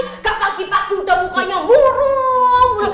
nggak pagi pagi udah mukanya murung